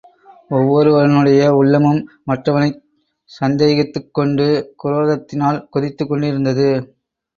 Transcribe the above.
ஒவ்வொருவனுடைய உள்ளமும் மற்றவனைச் சந்தேகித்துக் கொண்டு குரோதத்தினால் கொதித்துக் கொண்டிருந்தது.